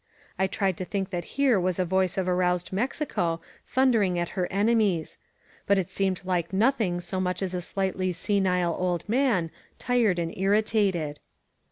I tried to think that here was the voice of aroused Mexico thimdering at her enemies; but it seemed like nothing so much as a slightly senile old man, tired and irritated.